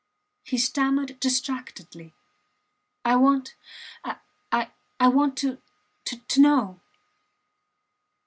He stammered distractedly. I want ... I want ... to ... to ... know